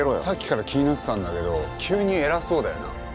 さっきから気になってたんだけど急に偉そうだよな？